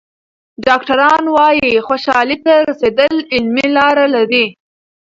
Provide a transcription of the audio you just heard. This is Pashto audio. ډاکټران وايي خوشحالۍ ته رسېدل علمي لاره لري.